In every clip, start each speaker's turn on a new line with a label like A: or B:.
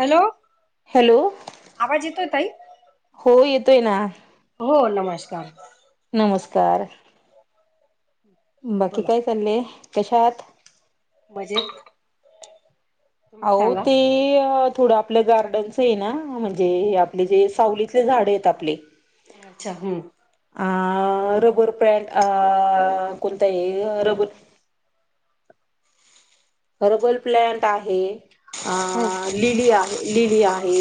A: Hello,
B: hello
A: आवाज येतोय ताई?
B: हो येतोय ना
A: हो, नमस्कार.
B: नमस्कार. बाकी
A: बोला
B: काय चालले, कशा आहात.
A: मजेत. तुम्ही
B: अहो,
A: सांगा
B: ते अ. थोडं आपलं गार्डनच आहे ना, म्हणजे, आपले जे सावलीतले झाड आहेत आपले.
A: अच्छा, हम्.
B: अ रबर पॅट, अ होतय रबर. हर्बल प्लंट आहे. अ
A: हम्म
B: लिली आहे, लिली आहे.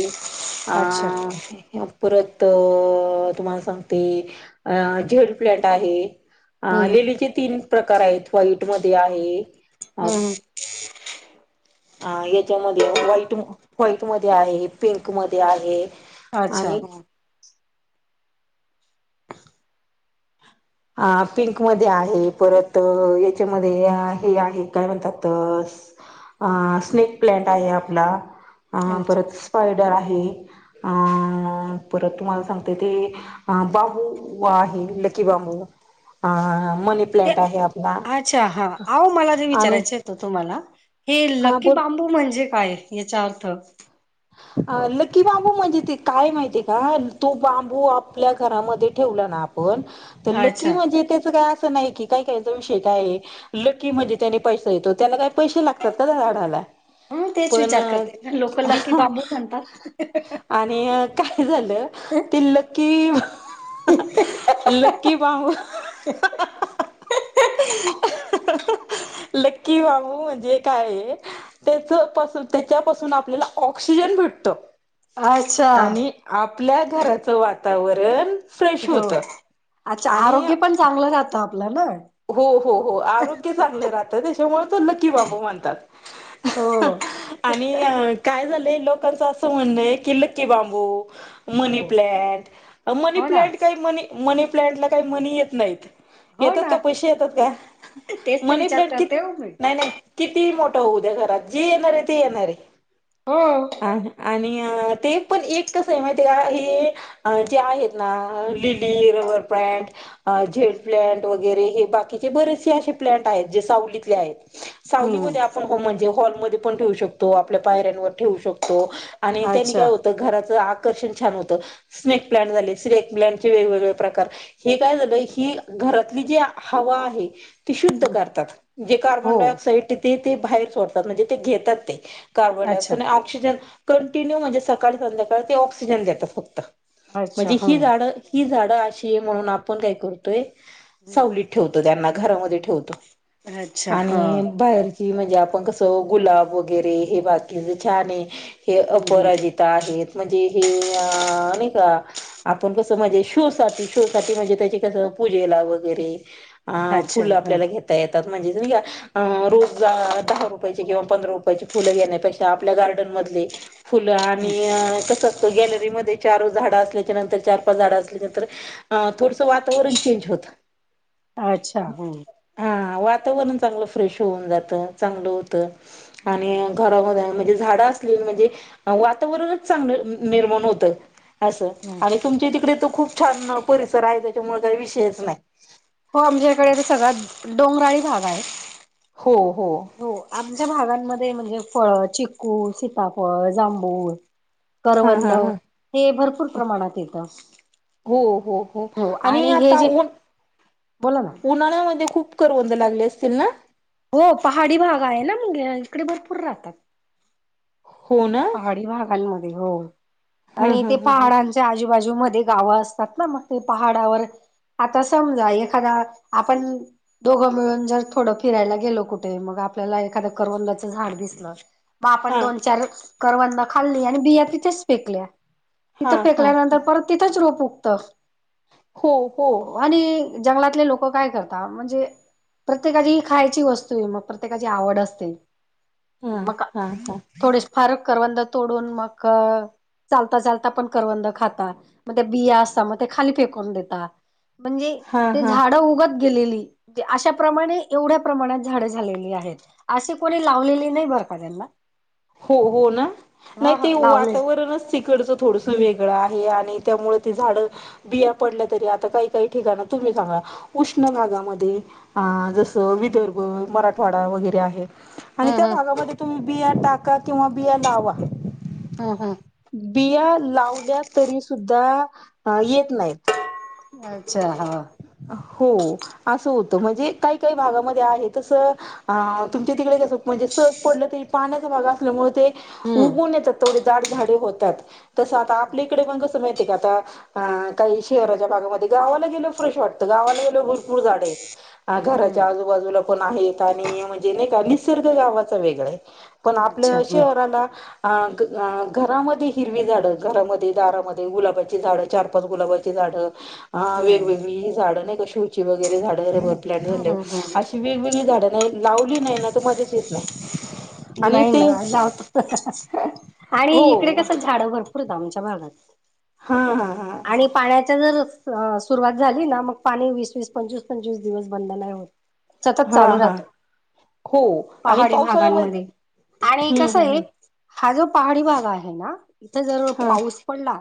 A: अच्छा
B: परत तुम्हाला सांगते, झेड प्लॅट आहे. अ
A: हम्म
B: लीलीचे तीन प्रकार आहेत, व्हाईट मध्ये आहे.
A: हम्म
B: अ याच्यामध्ये व्हाईट व्हाईट मध्ये आहे, पिंक मध्ये आहे.
A: अच्छा
B: आणि
A: ह.
B: अ पिंक मध्ये आहे. परत याच्यामध्ये हे आहे काय म्हणतात. अ स्नेक प्लॅट आहे. आपला अ
A: अच्छा
B: परत स्पायडर आहे. परत तुम्हाला सांगते ते. अ बांबू आहे, लकी बांबू. हा हा हा मनी.
A: ते
B: प्लॅन्ट आहे आपला
A: अच्छा, हा आहो मला जे
B: आणि
A: विचारायचं. तुम्हाला, हे
B: हा
A: लकी
B: बोल
A: बांबू म्हणजे काय याचा अर्थ?
B: लकी बांबू म्हणजे, ते काय माहितीय का? तो बांबू आपल्या घरामध्ये ठेवला ना? पण तर लकी
A: अच्छा
B: म्हणजे, त्याच काय असं नाही की. काहीचा विषय काय आहे? लकी म्हणे, त्यानी पैसा येतो. त्यांना काही पैसे लागतात का, त्या झाडायला?
A: मी तेच विचार करते. लोक लकी बांबू म्हणतात
B: आणि काय झालं, ते लकी. हा लकी बांबू हह. ह्ह्ह्ह. लकी बाबू म्हणजे काय आहे, त्याच्यापासून, त्याच्यापासून आपल्याला. ऑक्सिजन भेटतो.
A: अच्छा
B: आणि आपल्या घराचं वातावरण. फ्रेश
A: हो
B: होतं.
A: अच्छा,
B: आणि
A: आरोग्य पण चांगलं राहतं आपलं ना?
B: हो, हो आरोग्य चांगलं राहतं. त्याच्यामुळे तो लकी बाबू म्हणतात.
A: हो.
B: आणि काय झालंय, लोकांचं असं म्हणणंय कि, लकी बांबू. मनी
A: हो
B: प्लांट मनी
A: हो ना
B: प्लांट काही मनी, मनी प्लांट काही मनी येत नाहीत.
A: हो
B: येतात
A: ना
B: का पैसे येतात का
A: तेच तर
B: मनी
A: विचार
B: प्लांट किती
A: करते हो मी
B: नाही नाही कितीही मोठं होऊद्या घरात जी येणार आहे ते येणार आहे.
A: हो.
B: आणि ते पण एक कस आहे माहिती का हे जे आहेत ना [unintelligible] रबर प्लांट, झेड प्लांट वगैरे हे बाकीचे बरेचसे असे प्लांट आहेत जे सावलीतले आहेत
A: हम्म
B: सावलीमध्ये आपण होम म्हणजे हॉल मधील पण ठेऊ शकतो आपल्या पायऱ्यांवर ठेऊ शकतो आणि त्यांनी
A: अच्छा
B: काय होत घराच आकर्षण छान होतं. स्नेक प्लांट झाले स्नेक प्लांटचे वेगवेगळे प्रकार हे काय झालं ही घरातली जी हवा आहे ती शुद्ध करतात जे
A: हो
B: कार्बन डाय ऑक्साइड ते बाहेर सोडतात म्हणे ते घेतात ते कार्बन
A: अच्छा
B: डायऑक्साइड आणि ऑक्सि ऑक्सिजन कंटिन्यू म्हणजे सकाळी संध्याकाळी ते ऑक्सिजन देतात फक्त
A: अच्छा
B: म्हणजे ही
A: हम्म.
B: झाडं ही झाडं अशी आहे म्हणून आपण काय करतोय सावलीत ठेवतो त्यांना घरामध्ये ठेवतो.
A: अच्छा हा
B: आणि बाहेरची म्हणजे आपण कसं गुलाब वग गेरे हे बाकी
A: हम्म
B: छान आहे हे अपराजित आहेत म्हणजे हे अ नाही का आपण कसं म्हणजे शो साठी शो साठी म्हणजे त्याची कसं पूजेला वगैरे अ
A: अच्छा
B: फुलं
A: ह.
B: आपल्याला घेता येतात म्हणजे तुम्ही का अ रोज दहा रुपयाची किंवा पंधरा रुपयाची फुलं घेण्यापेक्षा आपल्या गार्डन मधले फुलं आणि कसं असतं गॅलरीमध्ये चार झाडं असल्याच्या नंतर चार पाच झाडं असल्यानंतर अ थोडसं वातावरण चेंज होतं.
A: अच्छा! हम्म.
B: हां वातावरण चांगलं फ्रेश होऊन जातं चांगलं होतं. आणि
A: हम्म
B: घरामध्ये म्हणजे झाड अस क्लीन म्हणजे वातावरणच चांगलं निर्माण होतं अस तुमच्या तिकडे तर खूप छान परिसर आहे त्याच्यामुळे काही विषयच नाही.
A: हो आमच्या इकडे सगळा डोंगराळी भाग आहे.
B: हो हो.
A: हो आमच्या भागांमध्ये म्हणजे फळ चिकू, सीताफळ, जांभूळ
B: हा
A: करवंद
B: हा हा
A: हे भरपूर
B: हो
A: प्रमाणात येतं.
B: हो हो हो आणि आता उन
A: बोला ना
B: उन्हाळ्यामध्ये खूप करवंद लागले असतील ना?
A: हो पहाडी भाग आहे ना मग इकडे भरपूर राहतात.
B: हो ना.
A: पहाडी भागांमध्ये हो
B: हा
A: आणि
B: हा
A: ते
B: हा
A: पहाडांच च्या आजूबाजूमध्ये गावं असतात ना मग ते पहाडावर आता समजा एखादा आपण दोघं मिळून जर थोडं फिरायला गेलो कुठे मग आपल्याला एखादं करवंदाचं झाड दिसलं. मग
B: हा
A: आपण दोन चार करवंद खाल्ली आणि बिया तिथेच फेकल्या.
B: हा
A: तिथं
B: हा हा
A: फेकल्यानंतर परत तिथंच रोप उगत
B: हो हो
A: आणि जंगलातले लोक काय करतात म्हणजे प्रत्येकाची ही खायची वस्तू आहे, मग प्रत्येकाची आवड असते.
B: हा
A: मग
B: हा हा
A: थोडीसे फार करवंद तोडून मग चालता चालता पण करवंद खाता, मग ते बिया असता मग ते खाली फेकून देता. म्हणजे
B: हा
A: ते
B: हा
A: झाडं उगत गेलेली अशा प्र्रमाणे एवढ्या प्रमाणात झाड झालेली आहेत अशी कोणी लावलेली नाही बर का त्यांना
B: हो हो ना नाही
A: हा हा
B: ते
A: लावले
B: वातावरणच तिकडचं थोडस वेगळं आहे आणि त्यामुळे ते झाड बिया पडल्या तरी आता काही काही ठिकाण तुम्ही सांगा उष्ण भागामध्ये अ जसं विदर्भ मराठवाडा वगैरे आहे आणि
A: हम्म
B: त्या
A: हम्म
B: भागामध्ये तुम्ही बिया टाका किंवा बिया लावा
A: हा हा
B: बिया लावल्या तरी सुद्धा येत नाहीत
A: अच्छा हा
B: हो असं होतं म्हणजे काही काही भागामध्ये आहे तसं तुमच्या तिकडे जसं म्हणजे सहज पडलं तरी पाण्याचा भाग असल्यामुळे ते
A: हम्म
B: उगून येतात तेवढी दाट झाडे होतात तसं आता आपल्या इकडे पण कसं माहितीय का आता अ काही शहराच्या भागामध्ये गावाला गेलो फ्रेश वाटतं गावाला गेलो भरपूर झाडे आहे घराच्या
A: हम्म
B: आजूबाजूला पण आहेत आणि म्हणजे नाही का निसर्ग गावाच वेगळ आहे पण
A: अच्छा
B: आपल्या
A: हम्म
B: शहराला अ घरामध्ये हिरवी झाडं घरामध्ये दारामध्ये गुलाबाची झाडं चार पाच गुलाबाची झाड अ
A: हम्म
B: वेगवेगळी झाडं नाही का शो ची वगैरे झाड झाड
A: हम्म हम्म हम्म
B: अशी वेगवेगळी झाडं नाही लावली नाही ना तर मजाच येत नाही आणि
A: नाही
B: ते
A: ना जावत आणि
B: हो
A: इकडे कस झाड भरपूर आहेत आमच्या भागात
B: हा हा हा
A: आणि पाण्याच्या जर सुरुवात झाली ना मग पाणी वीस वीस पंचवीस पंचवीस दिवस बंद नाही होत सतत
B: हा
A: चालू
B: हा
A: राहतो
B: हो आणि
A: पहाडी
B: पावसाळ्यामध्ये
A: भागांमध्ये आणि
B: हम्म
A: कसं
B: हम्म
A: आहे
B: हम्म
A: हा जो पहाडी भाग आहे ना इथं जर
B: हा
A: पाऊस पडला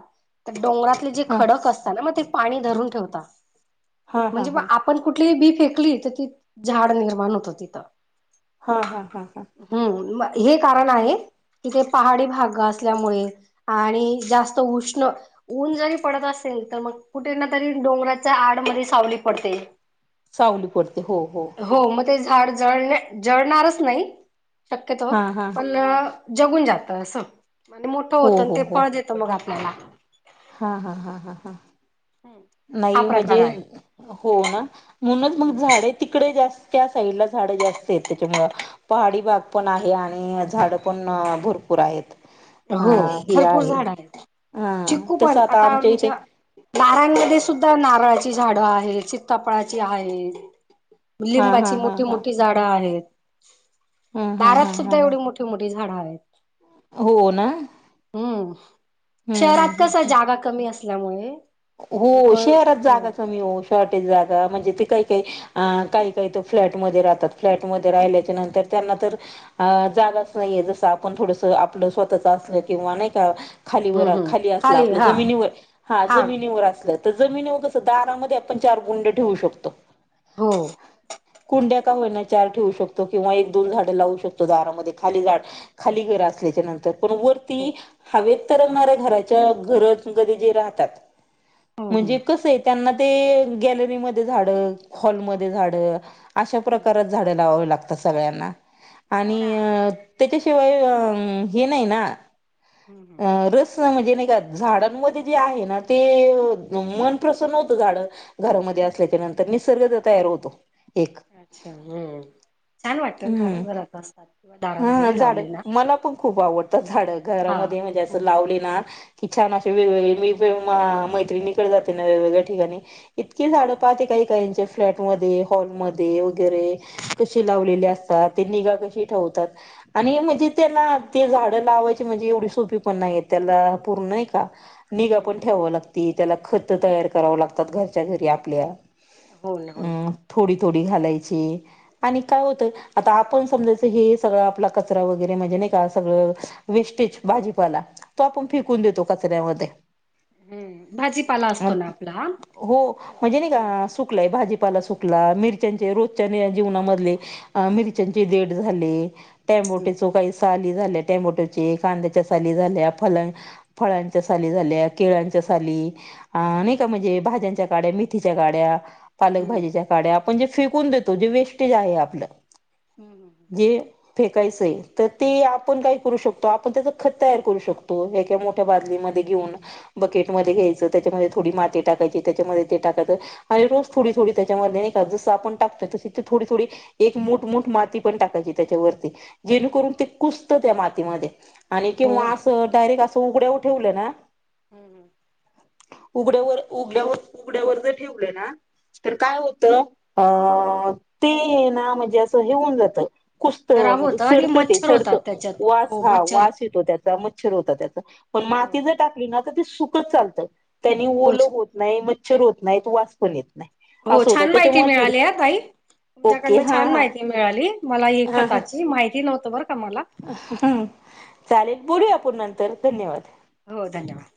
A: तर डोंगरा ती जी
B: हा
A: खडक असतात ती पाणी धरून ठेवतात
B: हा हा
A: म्हणजे मग
B: हा
A: आप आपण कुठलीही बी फेकली तर ती झाड निर्माण होतं तिथं
B: हा हा हा हा
A: हम्म म हे कारण आहे तिथे पहाडी भाग असल्यामुळे आणि जास्त उष्ण ऊन जरी पडत असेल तर मग कुठे ना तरी डोंगराच्या आडमध्ये सावली पडते
B: सावली पडते हो हो
A: हो मग ते झाड जळ जळणारच नाही शक्यतो
B: हा हा
A: पण जगून जातं असं म्हण मोठं
B: हो
A: होतं आणि
B: हो
A: ते
B: हो
A: फळ देत मग आपल्याला
B: हा हा हा हा हा
A: हा
B: नाही
A: प्रकार
B: म्हणजे हो ना म्हणूनच मग
A: आहे
B: झाड तिकडे जास्त त्या साईड ला झाडं जास्त आहेत त्याच्यामूळ पहाडी भाग पण आहे आणि झाड पण भरपूर आहेत अ
A: हो
B: हे
A: भरपूर
B: आहे
A: झाड आहेत
B: हा
A: चिक्ू पण
B: तसं
A: आता
B: इथे
A: आमच्या नारायणी मध्ये सुद्धा नारळाची झाडं आहेत सीताफळाची आहेत
B: हा
A: लिंबाची
B: हा हा
A: मोठी
B: हा
A: मोठी झाडं आहेत
B: हा हा हा
A: दारात
B: हा
A: सुद्धा
B: हा
A: एवढी मोठी े मोठी झाड आहेत
B: हो ना
A: हम्म
B: हम्म हम्म
A: शहरात कस
B: हम्म
A: जागा कमी असल्यामुळे
B: हो शेहरात जागा कमी हो शॉर्टेज जागा म्हणजे ते काही काही अ काही काही तर फ्लॅटमध्ये राहतात फ्लॅटमध्ये राहिल्याच्या नंतर त्यांना तर अ जागाच नाहीये जसं आपण थोडसं आपलं स्वतःच असलं किंवा नाही का
A: हम्म
B: खालीवर
A: हम्म
B: खाली असला आपल्या
A: हा
B: जमिनीवर हा
A: हा
B: जमिनीवर असल्या तर जमिनीवर कसं दारामध्ये आपण चार कुंड ठेवू शकतो.
A: हो.
B: कुंड्या का होईना चार ठेवू शकतो किंवा एक दोन झाडं लावू शकतो, दारामध्ये खाली झाड खाली घर असल्याच्यानंतर. पण वरती हवेत तरंगणाऱ्या घराच्या घर गज जे राहतात
A: हम्म
B: म्हणजे कसंय त्यांना ते गॅलरीमध्ये झाडं हॉलमध्ये झाडं अशा
A: हम्म
B: प्रकारात झाडं लावावी लागतात सगळ्यांना
A: हो
B: आणि
A: ना
B: अ त्याच्याशिवाय अ हे नाही ना
A: हम्म हम्म
B: रस त म्हणजे नाही का झाडांमध्ये जे आहे ना, ते मन प्रसन्न होतं झाडं घरामध्ये असल्याच्यानंतर निसर्गच तयार होतो एक.
A: अच्छा हम्म छान वाटतं, झाडं
B: हम्म
A: घरात असतात किंवा दारात
B: हा
A: जरी
B: झाड
A: लावली ना
B: मला पण खूप आवडतं झाडं
A: हा
B: घरामध्ये म्हणजे असं
A: हो
B: लावली ना कि छान असे वेगवेगळे मी आ मैत्रिणीकडं जाते ना वेगवेगळ्या ठिकाणी इतकी झाडं पाहते काही काहींच्या फ्लॅटमध्ये हॉलमध्ये वगैरे कशी लावलेले असतात, ते निगा कशी ठेवतात? आणि म्हणजे त्याला ते झाडं लावायची म्हणजे एवढी सोपी पण नाही, त्याला पूर्ण नाही का निगा पण
A: हम्म
B: ठेवावं लागती, त्याला खतं तयार करावं लागतात घरच्या घरी आपल्या.
A: हो ना हो ना
B: हम्म थोडी थोडी घालायची आणि काय होतं आता आपण समजायचं हे सगळं आपला कचरा वगैरे म्हणजे नाही का सगळं वेस्टेज भाजीपाला तो आपण फेकून देतो कचऱ्यामध्ये.
A: हम्म भाजीपाला
B: अ
A: असतो ना आपला
B: हो म्हणजे नाही
A: हो
B: का सुकलाय भाजीपाला सुकला मिरच्यांचे रोजच्या जीवनामधले
A: हम्म
B: मिरच्याचे देड झाले टॅमोटेचो काही साली झाल्या टॅमोटोचे, कांद्याच्या साली झाल्या फल फळांच्या साली झाल्या, केळांच्या साली अ नाही का म्हणजे भाज्यांच्या, काड्या मेथीच्या काड्या. पालक
A: हम्म
B: भाजीच्या काड्या आपण जे फेकून देतो जे वेस्टेज आहे आपलं,
A: हम्म
B: जे फेकायचंय तर ते आपण काय करू शकतो, आपण त्याचं खत तयार करू शकतो, हे काय मो ठ्या बादलीमध्ये घेऊन बकेटमध्ये घ्यायचं, त्याच्यामध्ये थोडी माती टाकायची, त्याच्यामध्ये ते टाकायचं आणि रोज थोडी थोडी त्याच्यामध्ये नाही का जसं आपण टाकतो तशी थोडी थोडी एक मुठमुठ माती पण टाकायची त्याच्यावरती. जेणेकरून ते कुसतं त्या मातीमध्ये आणि
A: हम्म
B: किंवा
A: हो
B: असं डायरेक्ट असं तू उघड्याऊ ठेवलं ना?
A: हम्म हम्म.
B: उघड्यावर उघड्यावर उघड्यावर जर ठेवलं ना तर काय होतं अ ते ना म्हणजे असं हे होऊन जातं कुसतं
A: खराब
B: म्हणजे
A: होतं आणि
B: सडतं ते
A: मच्छर
B: सडतं
A: होतात त्याच्यात
B: वास
A: हो
B: हा
A: मच्छर
B: वास येतो त्या चा. मच्छर होता त्याचं, पण
A: हो
B: माती जर टाकली ना तर ते सुकत चालतं त्यानी
A: हो हो
B: ओलं होत नाहीत, मच्छर होत नाहीत, वास पण येत नाही
A: हो
B: असं होतं
A: छान माहिती
B: त्याच्यामुळे थोडी
A: मिळाली आ ताई.
B: ओके
A: तुमच्याकडनं
B: हा
A: छान माहिती
B: हा
A: मिळाली, मला एक खताची माहिती नव्हतं बरं का मला.
B: हम्म. चालेल बोलूया आपूण नंतर धन्यवाद.
A: हो धन्यवाद!